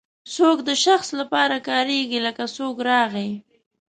څوک د شخص لپاره کاریږي لکه څوک راغی.